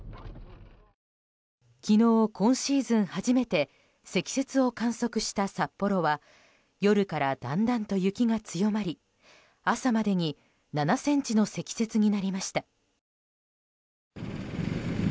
昨日、今シーズン初めて積雪を観測した札幌は夜からだんだんと雪が強まり朝までに７ｃｍの積雪になりました。